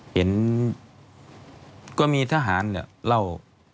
เห็นก็มีทหารเล่า